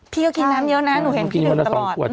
พี่ก็กินน้ำเยอะนะหนูเห็นพี่ดื่มตลอด